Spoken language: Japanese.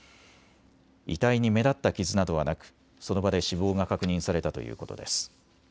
遺体に目立った傷などはなくその場で死亡が確認されたということです。